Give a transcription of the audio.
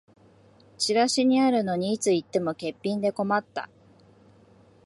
チラシにあるのにいつ行っても欠品で困った